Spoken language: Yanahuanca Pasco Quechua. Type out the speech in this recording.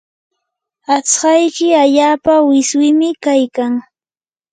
aqtsayki allaapa wiswimim kaykan.